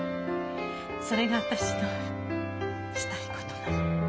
それが私のしたいことなの。